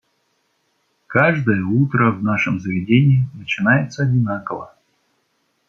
Каждое утро в нашем заведении начинается одинаково.